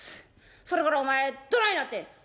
それからお前どないなってん」。